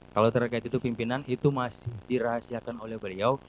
kalau terkait itu pimpinan itu masih dirahasiakan oleh beliau